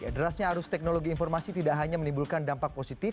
ya derasnya arus teknologi informasi tidak hanya menimbulkan dampak positif